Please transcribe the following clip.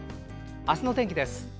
あすの天気です。